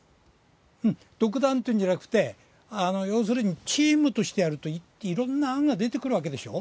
独断っていうんじゃなくて、要するにチームとしてやると、いろんな案が出てくるわけでしょう。